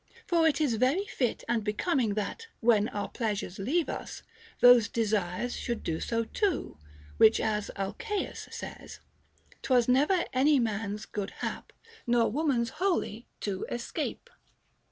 For it is very fit and becoming that, when our pleasures leave us, those desires should do so too, which, as Alcaeus says, 'Twas never any man's good hap Nor woman's wholly to escape.